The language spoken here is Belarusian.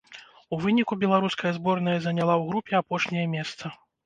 У выніку беларуская зборная заняла ў групе апошняе месца.